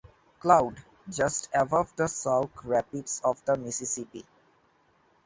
Cloud, just above the Sauk Rapids of the Mississippi.